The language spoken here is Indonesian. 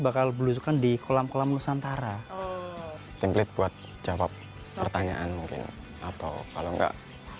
bakal berusukan di kolam kolam nusantara template buat jawab pertanyaan mungkin atau kalau enggak